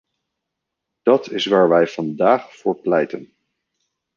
Dat is waar wij vandaag voor pleiten.